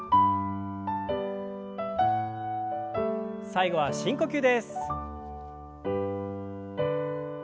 最後は深呼吸です。